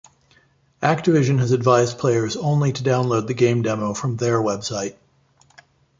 Activision has advised players only to download the game demo from their website.